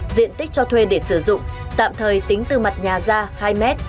diện tích cho thuê để sử dụng tạm thời tính từ mặt nhà ra hai m